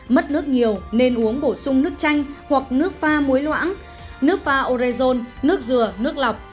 mất nước nhiều nên uống bổ sung nước chanh hoặc nước pha muối loãng nước pha orezon nước dừa nước lọc